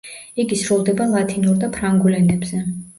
იგი სრულდება ლათინურ და ფრანგულ ენებზე.